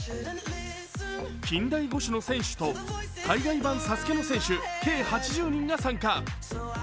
近代五種の選手と海外版ＳＡＳＵＫＥの選手、計８０人が参加。